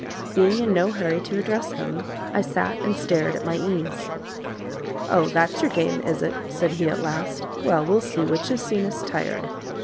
Being in no hurry to address him, I sat and stared at my ease. "Oh, that's your game is it?" said he at last. "Well, we'll see which is soonest tired."